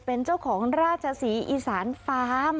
เป็นเจ้าของราชศรีอีสานฟาร์ม